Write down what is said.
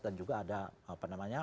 dan juga ada apa namanya